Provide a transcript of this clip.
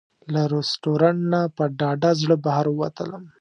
له رسټورانټ نه په ډاډه زړه بهر ووتلم.